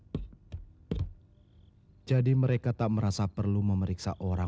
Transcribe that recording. mungkin mereka yakin keadaan singkur selalu amat